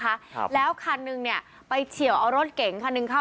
ครับแล้วคันหนึ่งเนี้ยไปเฉียวเอารถเก๋งคันหนึ่งเข้า